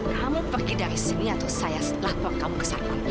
kamu pergi dari sini atau saya setelah kamu ke sana